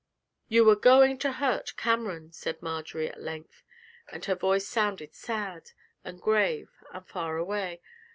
'You were going to hurt Cameron,' said Marjory, at length, and her voice sounded sad and grave and far away.